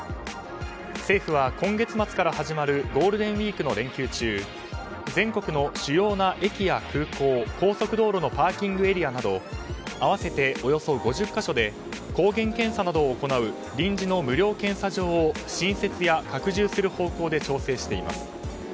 政府は今月末から始まるゴールデンウィークの連休中全国の主要な駅や空港高速道路のパーキングエリアなど合わせておよそ５０か所で抗原検査などを行う臨時の無料検査場を新設や拡充する方向で調整しています。